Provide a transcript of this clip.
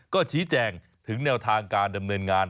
ก็ชี้แจงถึงแนวทางการดำเนินงาน